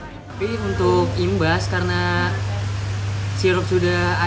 tapi untuk imbas karena sirup sudah ada